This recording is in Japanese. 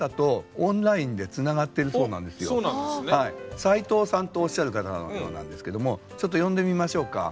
斎藤さんとおっしゃる方のようなんですけどもちょっと呼んでみましょうか。